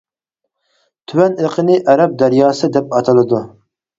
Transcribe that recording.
تۆۋەن ئېقىنى ئەرەب دەرياسى دەپ ئاتىلىدۇ.